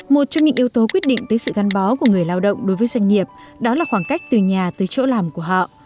một trong những yếu tố quyết định tới sự gắn bó của người lao động đối với doanh nghiệp đó là khoảng cách từ nhà tới chỗ làm của họ